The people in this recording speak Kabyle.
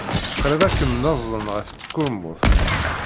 Qrib ad kem-nazen ɣer tkurmut.